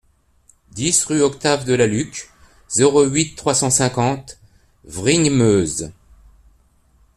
dix rue Octave Delalucque, zéro huit, trois cent cinquante, Vrigne-Meuse